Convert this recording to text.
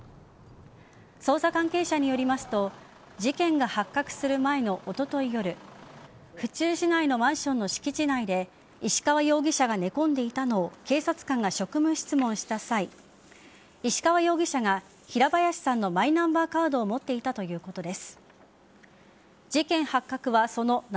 捜査関係者によりますと事件が発覚する前のおととい夜府中市内のマンションの敷地内で石川容疑者が寝込んでいたのを警察官が職務質問した際石川容疑者が平林さんのマイナンバーカードを持っていたということです。